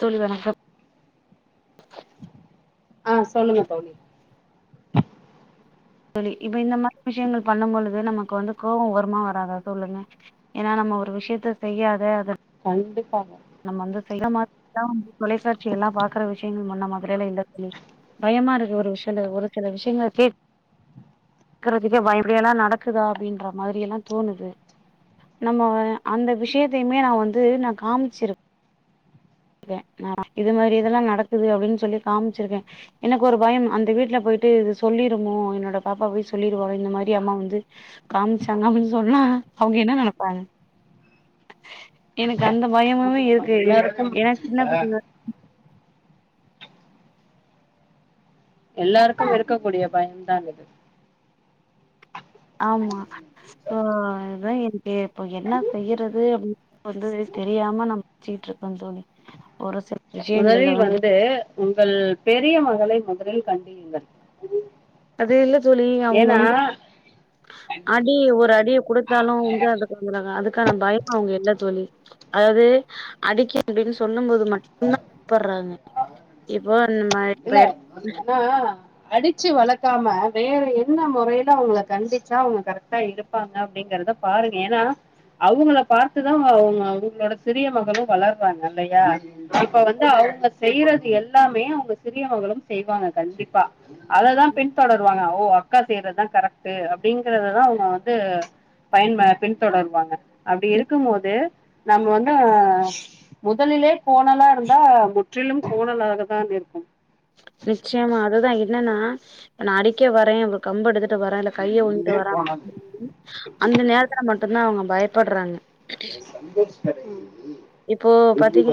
தோழி வணக்கம் ஆஹ் சொல்லுங்க தோழி தோழி இப்ப இந்த மா [inaudible] விஷயங்கள் பண்ணம்பொழுது நமக்கு வந்து கோவோ வருமா வராதா சொல்லுங்க ஏன்னா நம் ஒரு விஷயத்த செய்யாத அத இருந்துபாங்க நம்ம வந்து [inaudible] தொலைசாட்சி எல்லா பாக்கற விஷயங்கள் முன்ன மாதிறியல்லா இல்ல தோழி பயமா இருக்கு ஒரு விஷல ஒரு சில விஷயங்கள் இருக்கறதுக்கு இப்படியெல்லா நடக்குதா அப்டின்ற மாதிரி எல்லா தோணுது நம்ம அந்த விஷயத்தையுமே நா வந்து நா காமிச்சிருக் இது மாறி இதெல்லா நடக்குது அப்டின்னு சொல்லி காமிச்சிருக்கே எனக்கு ஒரு பயோ அந்த வீட்ல போய் ட்டு இது சொல்லிருமோ என்னோட பாப்பா போய் சொல்லிருவாளோ இந்த மாறி அம்மா வந்து காமிச்சாங்க அப்டினு சொன்னா அவுங்க என்ன நெனப்பாங்க உ எனக்கு அந்த பயமுமே ஆமா ஆமா இருக்கு எல்லாருக்கும் ஏன்னா சின்ன பிள்ள எல்லாருக்கு இருக்கக்கூடிய பயம்தா இது ஆமா [unintelligible] இதா எனக்கு இப்ப என்ன செய்யறது அப்டின் [inaudible] வந்து தெரியாம நா [inaudible] ச்சிட்டு க்கம் தோழி ஒரு [unintelligible] முதலில் வந்து உங்கள் பெரிய மகளை முதலில் கண்டியுங்கள் அது இல்ல தோழி அவுங்க ஏன்னா வந்து அடி ஒரு அடிய குடுத்தாலு [unintelligible] அதுக் க்கான பயமு அவங்க இல்ல தோழி அதாது அடிக்க [inaudible] அப்டின் சொல்லும்போது மட்டுந்தா பயப்பர்றாங்க இப்போ நம்ம இப்ப இல்ல ஏனா அடிச்சு வளக்காம வேற என்ன முறைல அவங்கள கண்டிச்சா அவங்க கரெக்டா இருப்பாங்க அப்டிங்கற றத பாருங்க ஏனா அவங்கள பாத்துதா ஒங்க ஒங்களோட சிறிய மகளு வளர்றாங்க இல்லையா இப்ப வந்து இவுங்க செய்றது எல்லாமே ஒங்க சிறியவங்களு செய்வாங்க கண்டிப்பா அததா பின் தொடருவாங்க அவ ஓ அக்கா செய்றதுதா கரெக்ட்டு அப்டிங்கறததா அவங்க வந்து பயன் ப பின்தொடருவாங்க அப்டி இருக்குபோது நம்ம வந்து முதலிலே கோணலா இருந்தா முற்றிலும் கோணலாகதான் இருக்கும் நிச்சயமா அதுதா என்னன்னா இப்ப நா அடிக்க வரே இப்ப கம்ப எடுத் ட்டு வர இல்ல கைய ஓங்கிட்டு வர அப் [inaudible] அந்த நேரத்துல மட்டுந்தா அவங்க பயப்பட்றாங்க [inaudible] ம் இப்போ பாத்தீங்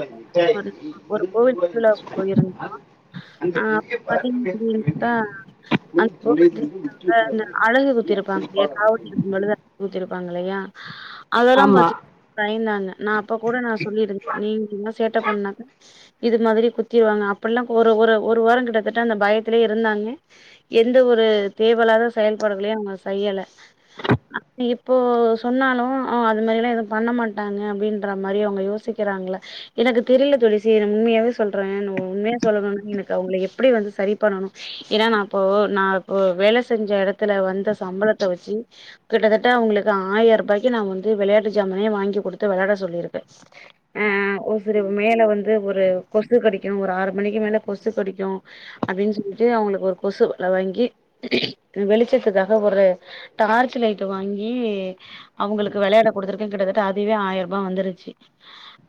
[inaudible] ஒரு கோவில் திருவிழாவுக்கு போயிருந்தோ ஆ [inaudible] அந்த அழகு குத்திருப்பாங்க ஏ காவட்டி [inaudible] எடுக்கும்போது அலகு குத்திருப்பா லயா அதெல்லா ஆமா பாத்து பயந்தாங்க நா அப்ப கூட நா சொ சொல்லிடு நீ [inaudible] சேட்ட பண்ணாக் இது மாதிரி குத்திருவாங்க அப்புல்லா ஒரு ஒரு ஒரு வாரோ கிட்டத்தட்ட அந்த பயத்துலே இருந்தாங்க எந்த ஒரு ஒரு தேவல்லாத செயல்பாடுகளையு நம்ம செய்யல அ இப்போ சொன்னாலு அ அது மாதிரிலா எது பண்ண மாட்டாங்க அப்டின்ற மாரி அவங்க யோசி சிக்கிறாங்கள எனக்கு தெரில தோழி சீரி உண்மையாவே சொல்றே உண்மையா சொல்ணுன எனக்கு அவுங்கள எப்டி வந்து சரி பண்ணணு ஏனா நா இப்போ நா இப்ப வேல செஞ்ச எடத்துல வந்த சம்பளத்த வச்சு கிட்டத்தட்ட அவங்களுக்கு ஆயரூபாய்க்கு நா வந்து வெளயாட்டு ஜாமனே வாங்கி குடுத்து வெளாட சொல்லிருக்கே ஒரு ம் [unintelligible] மேல வந்து ஒரு கொசு கடிக்கு ஒரு ஆறு மணிக்கு மேல கொசு கடிக்கு அ அப்டின் சொல்ட்டு அவுங்ளுக்கு ஒரு கொசு வல வாங்கி வெளிச்சத்துக்காக ஒரு டார்ச் லைட் வாங்கி அவுங்களுக்கு வெளாட குடுத்துருக்கே கிட்டத்தட்ட அதுவே ஆயரூபா வந்துருச்சு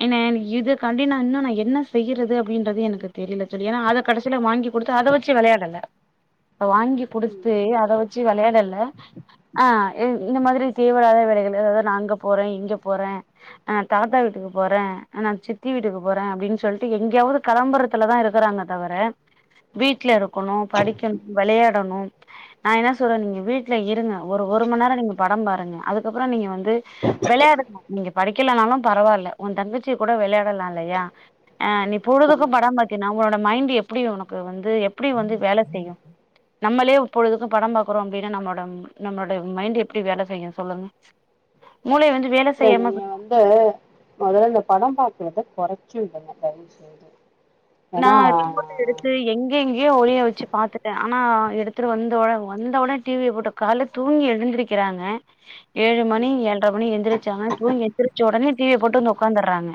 என்ன என் இதுக்காண்டி நா இன்னு நா என்ன செய்யிறது அப்டின்றது எனக்கு தெரில தோழி ஏனா அத கடைசில வாங்கி குடுத்தா அத வச்சு வெளயாடல [inaudible] அத வாங்கி ம் குடுத்து அத வச்சு வெளயாடல ஆ இ இந்த மாதிரி தேவ இல்லாத வேலைகள் அதாது நா அங்க போறே இங்க போறே ஆ தாத்தா வீட்டுக்கு போறே ஆ நா சித்தி வீட்டுக்கு போறே அப்டின் சொல்ட்டு எங்யாது களம்பரத்துல தா இருக்கறாங்க தவர வீட்ல இருக்கணு படிக்கணு வெளயாடணு நா என்ன சொல்றே நீங்க வீட்ல இருங்க ஒரு ஒரு மண் நேரோ நீங்க படம் பாருங்க அதுக்கப்றம் நீங்க வந்து வெளயாடுங்க நீங்க படிக்கலனாலு பரவால்ல ஒன் தங்கச்சிங் கூட வெளயாடலா இல்லையா அ நீ பொழுதுக்கு கண்டிப்பா படம் பாத்தீன்னா ஒன்னோட மைண்ட் எப் ப்டி உனக்கு வந்து எப்டி வந்து வேல செய்யு நம்மளே பொழுதுக்கு படம் பாக்குறோ அப்டின்னா நம்மோட நம்மோட மைண்ட் எப்டி வேல செய்யு சொல்லுங்க மூளய வந்து வேல இல்ல செய்யாம நீங்க வந்து மொதல்ல இந்த படம் பாக்றத கொறச்சு [unintelligible] தயவு செஞ்சி நா ரிமோட்ட எடுத்து எங் எங்யோ ஒளிய வச்சு பாத்துட்டே ட ஆனா எடுத்துட்டு வந்தொன்னே வந்த ஒன்னே டிவிய போட்டு கால்ல தூங்கி எந்துருக்கிறாங்க ஏழு மணி ஏழர மணி எந்திரிச்சாங்க ச எந்திரிச்ச உடனே டிவிய போட்டு வந்து ஒக்காந்துர்றாங்க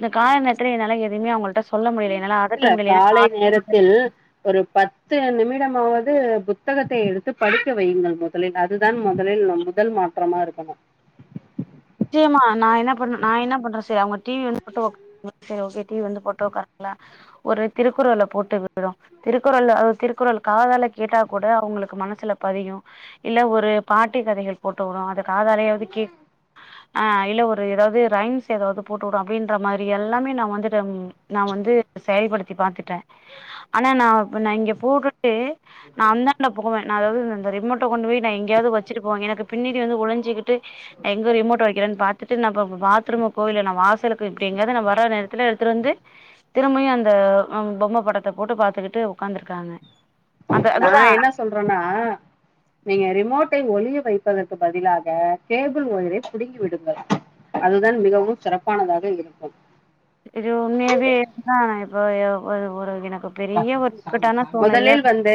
இந்த கால நேரத்துல என்னால எதயுமே அவங்கள்ட சொ இல்ல காலை நேரத்தில் ஒரு பத் து நிமிடமாவது புத்தகத்தை எடுத்து படிக்க வையுங்கள் முதலில் அதுதான் முதலில் முதல் மாற்றமா இருக்கணு சேயம்மா நா என்ன பண்ண நா என்ன பண்றே சேரி அவுங்க டீவி வந்து போட்டு ஒக்கார்ராங்க செரி ஓகே டீவி வந்து போட்டு ஒக்கார ஒரு திருக்குறள போட்டு விடுறோ திருக்குறள் அது திருக்குறள் காதால கேட்டா கூட அவுங்களுக் கு மனசுல பதியு இல்ல ஒரு பாட்டி கதைகள் போட்டு விட்றோ அத காதாலையாவது கேக் ஆ இல்ல ஒரு ஏதாவது ரைம்ஸ் ஏதாவது போட்டு விடுவோ அப்டின்ற மாதிரி எல்லாமே நா வந்துட்டு நா வந்து செயல்படுத்தி பாத்துட்டே ஆனா நா நா இங்க போட்டுட்டு நா அந்தாண்ட போவே நா அதாவது அந்த ரிமோட் கொண்டு போய் நா எங்கயாவது வச்சிட்டு போவே எனக்கு பின்னாடி வந்து ஒழிஞ்சிகிட்டு ரிமோட் வக்கிறேன்னு பாத்துட்டு நா இப்ப இப்ப பாத்ரூம் போகேல நா வாசலுக்கு இப்டி எங்கயாவது நா வர்ற நேரத்ல எடுத்துட்டு வந்து திரும்பயு அந்த பொம்ம படத்த போட்டு பாத்துக்கிட்டு ஒக்காந்துருக்காங்க நா என்ன சொல்றேன்னா நீங்க ரிமோட்டை ஒழிய வைப்பதற்கு பதிலாக கேபிள் ஒயரை புடுங்கி விடுங்கள் அதுதான் மிகவும் சிறப்பானதாக இருக்கும் இது உண்மையாவே இருந்தா இப்போ ஒரு ஒரு எனக் முதலில் வந்து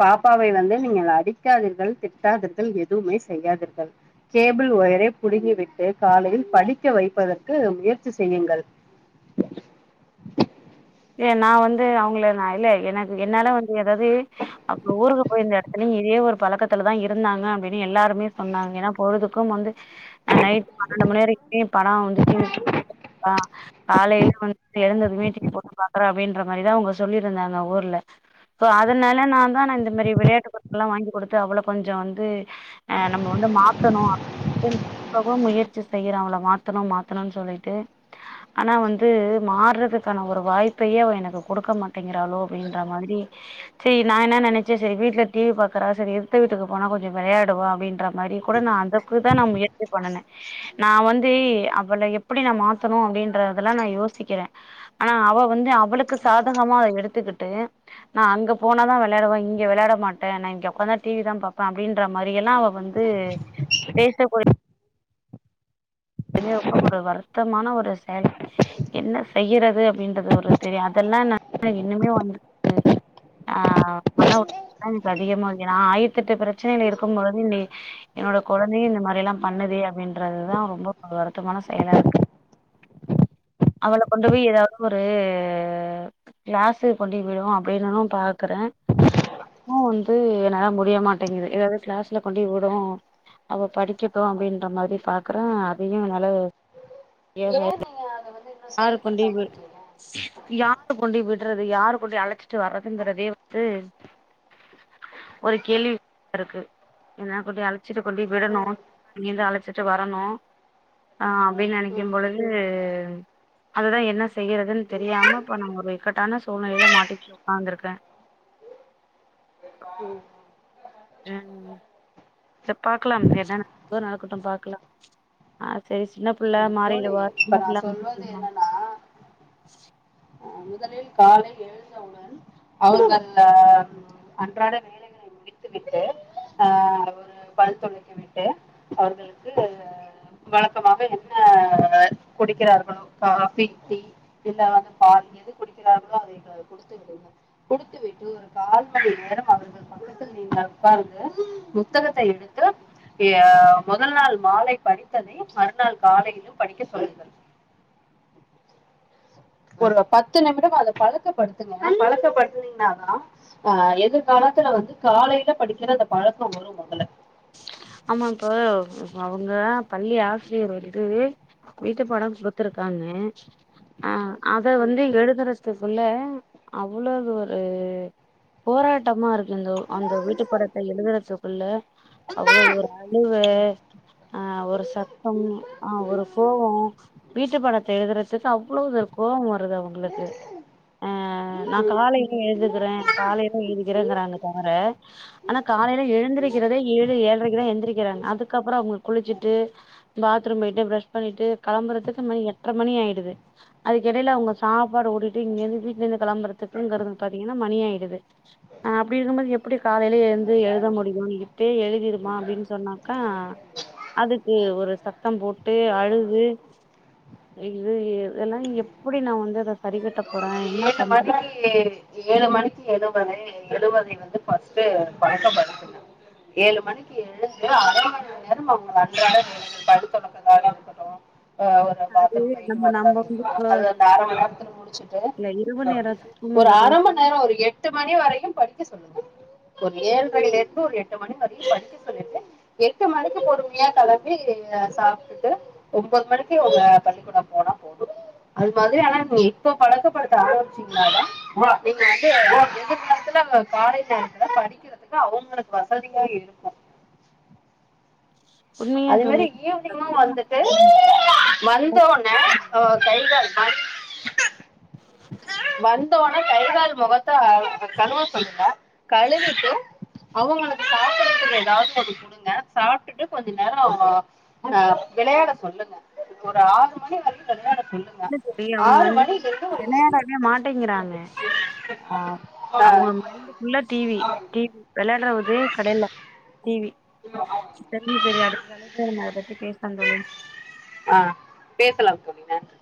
பாப்பாவை வந்து நீங்கள் அடிக் காதீர்கள் திட்டாதீர்கள் எதுவுமே செய்யாதீர்கள் கேபிள் ஒயரை புடுங்கி விட்டு காலையில் படிக்க வைப்பதற்கு முயற்சி செய்யுங்கள் [inaudible] ஏ நா வந்து அவுங்கள நா இல்ல எனக்கு என்னால வந்து ஏதாவது அவுங்க ஊருக்கு போய் இருந்த இடத்துலயு இதே ஒரு பழக்கத்துல தா இருந்தாங்க அப்டின்னு எல்லாருமே சொன்னாங்க ஏன்னா பொழுதுக்கும் வந்து ஆ நைட் பன்னெண்டு மணி வரைக்கு படோ வந்து டீவி பாத்துட்டு இருக்கா காலேல வந்து எழுந்ததுமே டீவி போட்டு பாக்குறா அப்டின்ற மாரிதா அவுங்க சொல்லிருந்தாங்க ஊர்ல சோ அதனால நா தா நா இந்த மாரி விளையாட்டுப் பொருட்கள் எல்லா வாங்கி கொடுத்து அவள கொஞ்சோ வந்து ஆ நம்ம வந்து மாத்தணு அப்டின்னுட்டு நா எவ்வளவோ முயற்சி செய்யிறே அவள மாத்தணு மாத்தணுன்னு சொல்லீட்டு ஆனா வந்து மாறுறதுக்கான ஒரு வாய்ப் பயே அவ எனக்கு குடுக்க மாட்டேங்கிறாளோ அப்டின்ற மாதிரி சேரி நா என்ன நெனச்சே செரி வீட்ல டீவி பாக் றா செரி எதுத்த வீட்டுக்கு போனா கொஞ்சோ வெளையாடுவா அப்டின்ற மாதிரி கூட நா அதுக்குதா நா முயற்சி பண்ணுனே நா வந்து அவள எப்டி நா மாத்தணு அப்டின்றதெல்லா நா யோசிக்கிறே ஆனா அவ வந்து அவளுக்கு சாதகமா அத எடுத்துக்கிட்டு நா அங்க போனா தா வெளையாடுவே இங்க வெளையாட மாட்டே இங்க ஒக்காந்தா டீவி தா பாப்பே அப்டின்ற மாதிரி எல்லா அவ வந்து பேசக்கூடிய இதுவுமே ரொம்ப ஒரு வருத்தமான ஒரு செயல் என்ன செய்யறது அப்டின்றது ஒரு தெரிய அதெல்லா அதா நா இன்னுமே வந்து ஆ ஆனா ஒரு பெர்செண்ட் அதிகமா இருக்கு ஏன்னா ஆயிரத் தெட்டு பிரச்சனேல இருக்கும் பொழுது நீ என்னோட கொழந்தையு இந்த மாரி எல்லா பண்ணுதே அப்டின்றதுதா ரொம்ப ஒரு வருத்தமான செயலா இருக்கு [inaudible] அவள கொண்டு போய் ஏதாவது ஒரு கிளாசுக்கு கொண்டோய் விடுவோ அப்படின்னுன்னு பாக்குறே அதுவு வந்து என்னால முடிய மாட்டேங்குது ஏதாவது கிளாஸ்ல கொண்டோய் விடவு அவ படிக்கட்டு அப்டின்ற மாதிரி பாக்குறே அதயு என்னால ஏன் நீங்க அத வந்து இன்னு யாரு கொண்டோய் செயல்படுத்தாம விடு இருக்கீங்க யாரு கொண்டோய் விடுறது யாரு கொண்டோய் அழச்சிட்டு வர்றதுங்கிறதே வந்து ஒரு கேள்வியா இருக்கு ஏன்னா கொண்டோய் அழச்சிட்டு கொண்டோய் விடணு ம் அங்கேந்து அழச்சிட்டு வரணு ஆ அப்டின்னு நெனைக்கும் பொழுது அதுதா என்ன செய்யறதுன்னு தெரியாம இப்ப நா ஒரு இக்கட்டான சூழ்நிலையில மாட்டிகிட்டு ஒக்காந்துருக்கே [inaudible] ம் த பாக்கலாம் என்ன [unintelligible] நடக்கட்டும் பாக்கலா ஆ செரி சின்னப் புள்ள ம் தோழி மாறிடுவா இப்ப சின்னப் நா புள்ள சொல்வது [unintelligible] அ முதலில் காலை எழுந்தவுடன் அவர்கள் அ அன்றாட வேலைகளை வித்து விட்டு ஆ ஒரு பல் துலக்கி விட்டு அவர்களுக்கு வழக்கமாக என்ன குடிக்கிறார்களோ காஃபி டீ இல்ல வந்து பால் எது குடிக் கிறார்களோ அதை அ குடுத்து விடுங்க குடுத்து விட்டு ஒரு கால் மணி நேரம் அவர்கள் பக்கத்தில் நீண்ட பாருங்க புத்தகத்தை எடுத்து அ முதல் நாள் மாலை படித்ததை மறுநாள் காலையிலும் படிக்க சொல்லுங்கள் [inaudible] ஒரு பத்து நிமிடம் அத பழக்கப்படுத்துங்க பழக்கப்படுனீங்கன்னாதா ஆ எதிர்கால துல வந்து காலையில படிக்கிற அந்த பழக்கம் வரும் மொதல்ல ஆமா இப்ப அவங்க பள்ளி ஆசிரியர் வந்து வீட்டுப்பாடம் குடுத்துருக் தாங்க ஆ அத வந்து எழுதுறத்துக்குள்ள அவ்ளவு ஒரு போராட் டமா இருக்கு இந்த அந்த வீட்டு படத்தை எழுதுறதுக்குள்ள அவ்ளோவு ஒரு அழுவே ஆ ஒரு சத்தம் ஆ ஒரு கோவோ வீட்டு படத்தை எழுதுறது துக்கு அவ்வளவு ஒரு கோபம் வருது அவங்களுக்கு ஆ நா காலையிலா எழுதுக்கிறே காலையிலா எழுதிக்கிறேங்கிறாங்க தவிர ஆனா கா காலையில் எழுந்திருக்கிறதுே ஏழு ரைக்கி தா எந்திரிக்கறாங்க அதுக்கப்புறோ அவங்கோ குளிச்சட்டு பாத்ரூம் போய்ட்டு ஃப்ரஷ் பண்ணிட்டு கெள்ம்புறதுக்கு மணி எ ட்ர மணி ஆயிடுது அதுக்கு எடையில அவுங்க சாப்பாடு ஓட்டிட்டு இங்கிருந்து வீட்டுல இருந்து கெளம்பறதுக்குறது பாத்தீங்கன்னா ம மணியாயிடுது அ அப்டி இருக்கும்போது எப்டி காலையில எழுந்து எழுத முடியு நீ இப்பேயே எழு திருமா அப்டின்னு சொன்னாக்கா அதுக்கு ஒரு சத்தம் போட்டு அழுது இது இதெல்லா எப்டி நா வந்து அத சரி ஏழு மணிக்கி ஏழு மணிக்கி எழுவதை எழுவதை வந்து பஸ்டே பழக்கப்படுத்துங்க ஏழு மணிக்கு எழுந்து அர மணி நேரம் அவுங்க அன்றாட வேலைகள் பல் தொலக்காத [unintelligible] அ ஒரு பாத்ரூம் போயிட்டு நம்ம வரதா நம்ம வந்து இருக்கட்டு இப்ப அது அந்த அர மணி நேரத்துல முடிச்சுட்டு இல்ல இரவு நேர ஒரு தூக்கம்ங்கிறது அர மணி நேரோ ஒரு எட்டு மணி வரைக்கு படிக்க சொல்லுங்க ஒரு ஏழரைல இருந்து ஒரு எட்டு மணி வரைக்கு படிக்க சொல்லிட்டு எட்டு மணிக்கு பொறுமையா கெளம்பி சாப்ட்டுட்டு ஒம்போது மணிக்கு அவுங்க பள்ளிக்கூடோ போ போன போது அது மாதிரி ஆனா நீ இப்ப பழக்கப் படு த்த ஆரமிச்சிங்கனாத நீங்க வந்து எதிர்காலத்துல காலை நேரத்துல படிக்றதுக்கு அவ அவுங்களுக்கு வசதியா இருக்கு உண்மையா அது தோழி மாரி ஈவ்னிங்கு வந்துட்டு வந்த உடனே அ கை கால் [inaudible] வந்தோ கைகால் மொகத்த கழுவ சொல்லுங்க கழுவிட்டு அவுங்களுக்கு சாப்டுறதுக்கு ஏதாவது ஒண்ணு குடுங்க சாப்டுட்டு கொஞ் ஞ்ச நேரோ அ வெளையாட சொல்லுங்க ஒரு ஆறு மணி வரைக்கு வெளையாட இல்ல தோழி அவுங்க வந்து வெளையாடவே மாட்டேங்றாங்க ஆ அவுங்க ஏழு மைண்ட் ஃபுல்லா டீவி டீவி வெளையாடுறதே கெடைல டீவி செரி செரி அடுத்த அழைப்புல நம்ம அத பத்தி பேசுலா தோழி அ பேசலாம் தோழி நன்றி